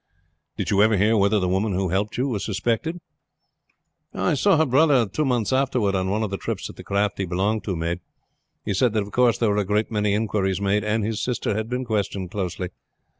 "Did you ever hear whether the woman who helped you was suspected?" "I saw her brother two months afterward on one of the trips that the craft he belonged to made. He said that of course there were a great many inquiries made, and his sister had been questioned closely.